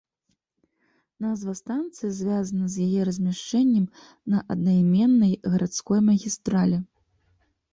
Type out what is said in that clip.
Назва станцыі звязана з яе размяшчэннем на аднайменнай гарадской магістралі.